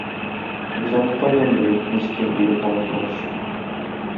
Без аны кайдан белик, мискин үлеп аңлатмагач?!